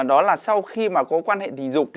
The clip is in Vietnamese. đó là sau khi có quan hệ tình dục